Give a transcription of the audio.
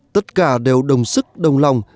tất cả đều đồng sức đồng lòng